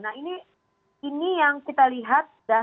nah ini ini yang kita lihat dasar kepribadiannya